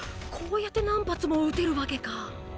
こうやって何発も撃てるわけか。